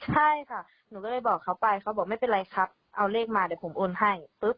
ใช่ค่ะหนูก็เลยบอกเขาไปเขาบอกไม่เป็นไรครับเอาเลขมาเดี๋ยวผมโอนให้ปุ๊บ